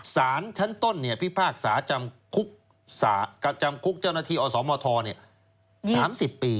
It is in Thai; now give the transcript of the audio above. สารชั้นต้นพิพากษาจำคุกเจ้าหน้าที่อสมท๓๐ปี